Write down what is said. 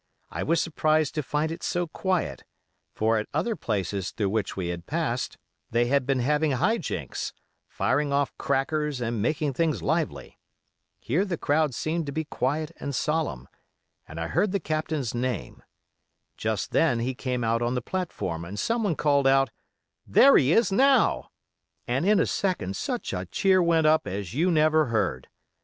I was surprised to find it so quiet, for at other places through which we had passed they had been having high jinks: firing off crackers and making things lively. Here the crowd seemed to be quiet and solemn, and I heard the Captain's name. Just then he came out on the platform, and someone called out: 'There he is, now!' and in a second such a cheer went up as you never heard.